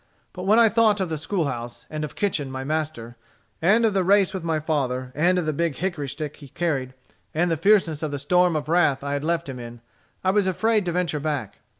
But when I thought of the school house, and of Kitchen, my master, and of the race with my father, and of the big hickory stick he carried, and of the fierceness of the storm of wrath I had left him in, I was afraid to venture back.